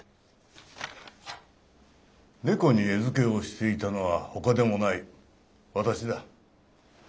猫に餌付けをしていたのはほかでもない私だ。